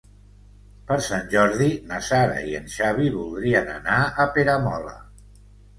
Per Sant Jordi na Sara i en Xavi voldrien anar a Peramola.